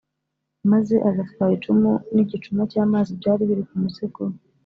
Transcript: maze agatwara icumu n’igicuma cy’amazi byari biri ku musego we